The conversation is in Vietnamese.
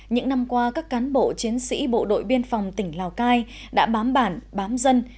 những năm qua các cán bộ chiến sĩ bộ đội biên phòng tỉnh lào cai đã bám bản bám dân